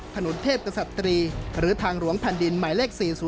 ถนนเทพกษัตรีหรือทางหลวงแผ่นดินหมายเลข๔๐